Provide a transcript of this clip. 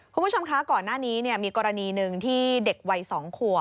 คุณผู้ชมคะก่อนหน้านี้มีกรณีหนึ่งที่เด็กวัย๒ขัว